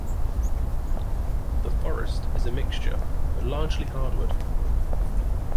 The forest is a mixture, but largely hardwood.